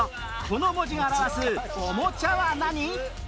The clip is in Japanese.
この文字が表すおもちゃは何？